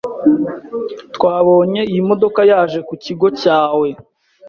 Twabonye iyi modokayaje kukigo cyawe